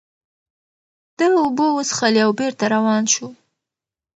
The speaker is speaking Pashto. ده اوبه وڅښلې او بېرته روان شو.